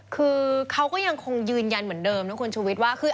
คือเขาก็ยังคงยืนยันเหมือนเดิมนะคุณชุวิตว่าคือ